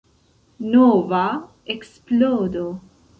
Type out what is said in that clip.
Nova eksplodo.